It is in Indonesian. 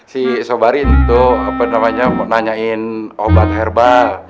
si sobari itu nanyain obat herba